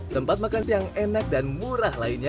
tempat makan yang enak dan murah lainnya